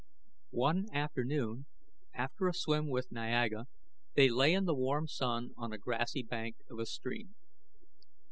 One afternoon, after a swim with Niaga, they lay in the warm sun on the grassy bank of a stream.